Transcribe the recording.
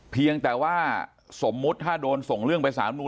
เพียงแต่ว่าสมมุติถ้าโดนส่งเรื่องไปสารนูล